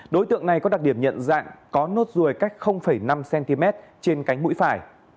đối tượng này có đặc điểm nhận dạng có nốt ruồi cách năm cm trên cánh mũi phải